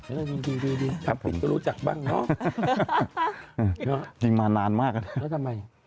สวัสดีครับคุณคุณดำครับ